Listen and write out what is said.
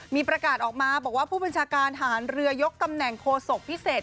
มีประกาศออกมาบอกว่าผู้บัญชาการฐานเรือยกตำแหน่งโฆษกพิเศษ